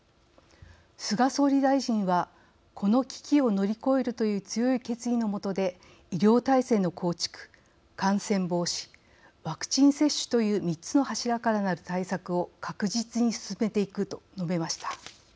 菅総理大臣は「この危機を乗り越えるという強い決意のもとで医療体制の構築、感染防止ワクチン接種という３つの柱からなる対策を確実に進めていく」と述べました。